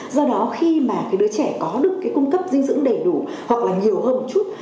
do đó khi mà cái đứa trẻ có được cái cung cấp dinh dưỡng đầy đủ hoặc là nhiều hơn một chút